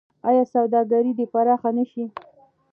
آیا سوداګري دې پراخه نشي؟